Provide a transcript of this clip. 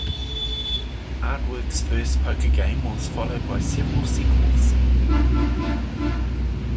Artworx's first poker game was followed by several sequels.